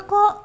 belum ada kau